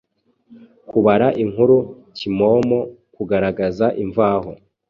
Kubara inkuru kimomo Kugaragaza imvaho.